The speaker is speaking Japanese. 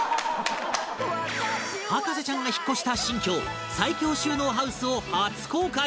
博士ちゃんが引っ越した新居最強収納ハウスを初公開！